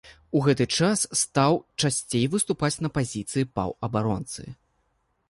У гэты час стаў часцей выступаць на пазіцыі паўабаронцы.